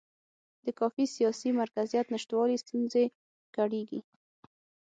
د کافي سیاسي مرکزیت نشتوالي ستونزې کړېږي.